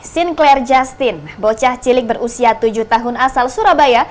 sinclair justin bocah cilik berusia tujuh tahun asal surabaya